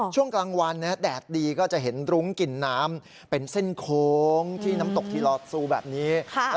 ช่วงกลางวันแดดดีก็จะเห็นรุ้งกินน้ำเป็นเส้นโค้งที่น้ำตกทีลอดซูแบบนี้